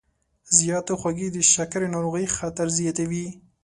زیاتې خوږې د شکرې ناروغۍ خطر زیاتوي.